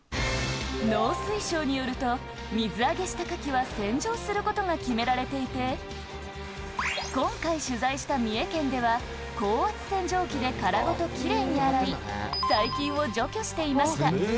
農水省によると、水揚げしたカキは、洗浄することが決められていて、今回取材した三重県では、高圧洗浄機で殻ごときれいに洗い、細菌を除去していました。